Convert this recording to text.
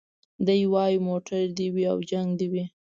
دی وايي موټر دي وي او جنګ دي وي